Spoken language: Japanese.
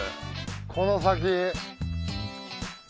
この先。